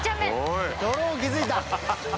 ドローン気付いた。